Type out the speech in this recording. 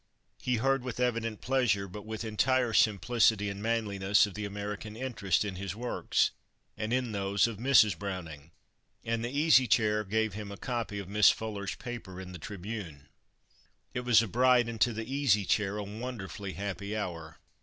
He heard, with evident pleasure, but with entire simplicity and manliness, of the American interest in his works and in those of Mrs. Browning, and the Easy Chair gave him a copy of Miss Fuller's paper in the Tribune. It was a bright and, to the Easy Chair, a wonderfully happy hour.